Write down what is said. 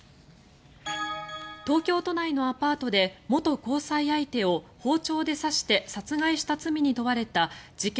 東京都内のアパートで元交際相手を包丁で刺して殺害した罪に問われた事件